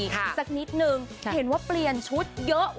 กับเพลงที่มีชื่อว่ากี่รอบก็ได้